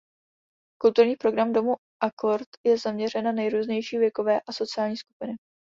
Kulturní program domu Akord je zaměřen na nejrůznější věkové a sociální skupiny.